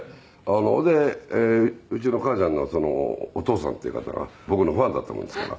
それでうちのかあちゃんのお父さんっていう方が僕のファンだったものですから。